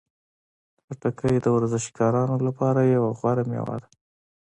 خټکی د ورزشکارانو لپاره یوه غوره میوه ده.